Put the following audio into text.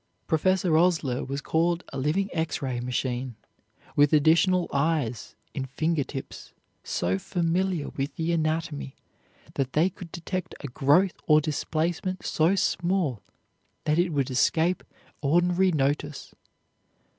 Professor Osler was called a living X ray machine, with additional eyes in finger tips so familiar with the anatomy that they could detect a growth or displacement so small that it would escape ordinary notice.